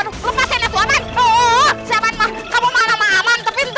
aduh aduh aduh aman aman lepaskan aman aman lepaskan aman aman aduh